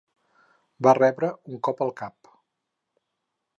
Va rebre un cop al cap.